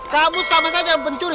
kamu sama saja pencuri